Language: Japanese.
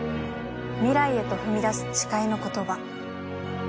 未来へと踏み出す誓いの言葉。